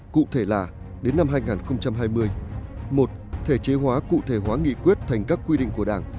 cụ thể là đến năm hai nghìn hai mươi một thể chế hóa cụ thể hóa nghị quyết thành các quy định của đảng